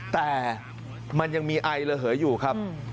แต่มันยังมีไอระเหยอยู่ครับ